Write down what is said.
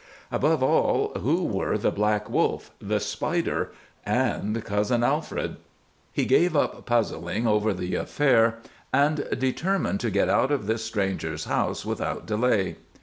Above all, who were the Black Wolf, the Spider, and Cousin Alfred? He gave up puzzling over the affair and determined to get out of this stranger's house without delay.